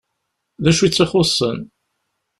D acu i tt-ixuṣṣen?